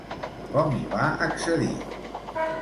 Com hi va accedir?